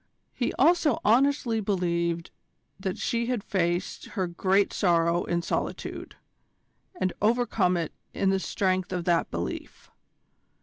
He also honestly believed that she had faced her great sorrow in solitude, and overcome it in the strength of that belief.